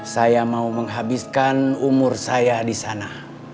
saya mau menghabiskan umur saya di sana